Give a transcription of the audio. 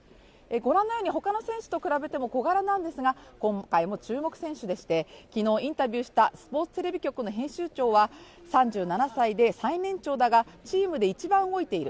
ご覧のように他の選手と比べても小柄なんですが今回も注目選手でして昨日、インタビューしたスポーツテレビ局の編集長は３７歳で最年長だがチームで一番動いている。